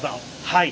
はい。